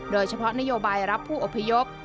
โดยเฉพาะนโยบายรับผู้อพยพ